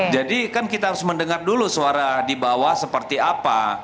jadi kan kita harus mendengar dulu suara di bawah seperti apa